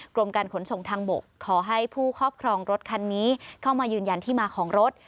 กรมการขนส่งทางบกขอให้ผู้ครอบครองรถคันนี้เข้ามายืนยันที่มาของรถ